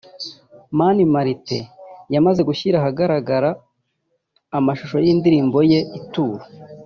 Mani Martin yamaze gushyira ahagaragara amashusho y’indirimbo ye Ituro